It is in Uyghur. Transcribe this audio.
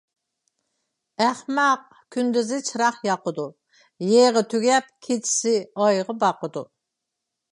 ئەخمەق كۈندۈزى چىراغ ياقىدۇ، يېغى تۈگەپ كېچىسى ئايغا باقىدۇ.